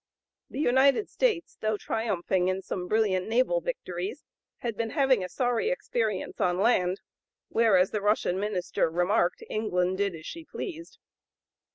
The United States, though triumphing in some brilliant naval victories, had been having a sorry experience on land, where, as the Russian minister remarked, "England did as she pleased."